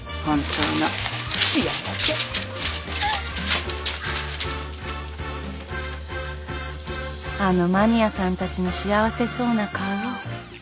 あのマニアさんたちの幸せそうな顔。